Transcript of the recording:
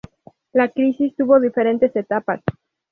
La crisis tuvo diferentes etapas.